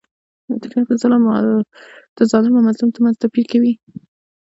تاریخ د ظالم او مظلوم تر منځ توپير کوي.